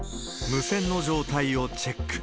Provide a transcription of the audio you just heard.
無線の状態をチェック。